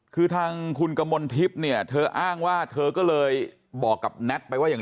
คือทางคุณกมลทิพย์เนี่ยเธออ้างว่าเธอก็เลยบอกกับแท็ตไปว่าอย่าง